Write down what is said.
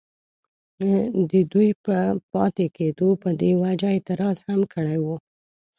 ددوي پۀ پاتې کيدو پۀ دې وجه اعتراض هم کړی وو،